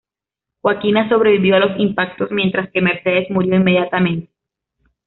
Joaquina sobrevivió a los impactos, mientras que Mercedes murió inmediatamente.